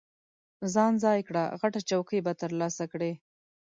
ځان ځای کړه، غټه چوکۍ به ترلاسه کړې.